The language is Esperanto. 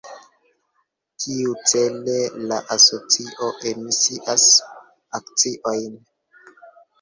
Tiucele la asocio emisias akciojn.